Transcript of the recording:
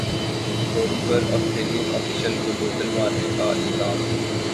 کوہلی پر Australian official کو بوتل مارنے کا الزام